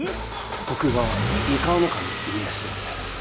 徳川三河守家康でございます。